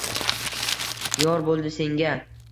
Yor bo’ldi senga